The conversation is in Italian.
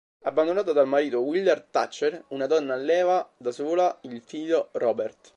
Abbandonata dal marito Willard Thatcher, una donna alleva da sola il figlio Robert.